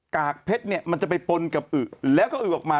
กากเพชรเนี่ยมันจะไปปนกับอึแล้วก็อึออกมา